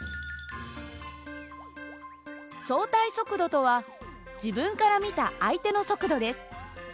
相対速度とは自分から見た相手の速度です。